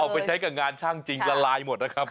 ไปใช้กับงานช่างจริงละลายหมดนะครับ